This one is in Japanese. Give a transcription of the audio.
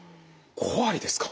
５割ですか。